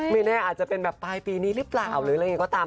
ไม่แน่อาจจะเป็นแบบปลายปีนี้รึเปล่า